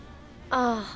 ああ。